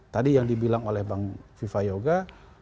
tadi yang dibilang oleh bang viva yoga